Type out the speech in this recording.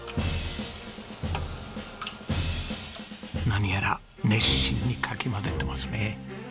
何やら熱心にかき混ぜてますね。